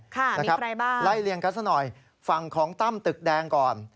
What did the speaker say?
ใครบ้างไล่เลี่ยงกันซะหน่อยฝั่งของตั้มตึกแดงก่อน